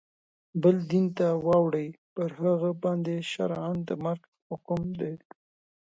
بل دین ته واوړي پر هغه باندي شرعاً د مرګ حکم دی.